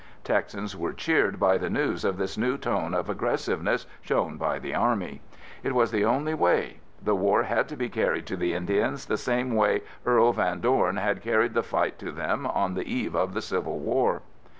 Texans were cheered by the news of this new tone of aggressiveness shown by the Army. It was the only way. The war had to be carried to the Indians the same way Earl Van Dorn had carried the fight to them on the eve of the Civil War.